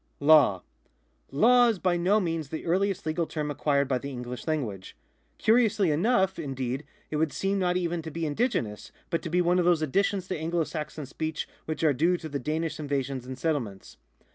LAW. — Law is by no means the earliest legal term acquired by the English language. Curiously enough, indeed, it would seem not even to be indigenous, but to be one of those additions to Anglo Saxon speech which are due to the Danish invasions and settlements.